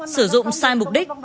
sử dụng sai mục đích